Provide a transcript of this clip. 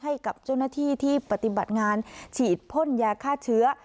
ให้กับเจ้าหน้าที่ที่ปฏิบัติงานฉีดพ่นยาฆ่าเชื้อ